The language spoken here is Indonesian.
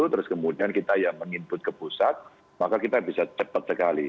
terus kemudian kita yang meng input ke pusat maka kita bisa cepat sekali